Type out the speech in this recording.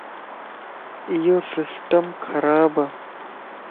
ايو سسٽم خراب ا.